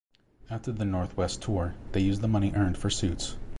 After the Northwest tour, they used the money earned for suits.